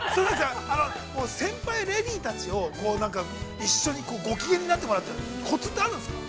◆先輩たちを一緒にご機嫌になってもらうコツってあるんですか。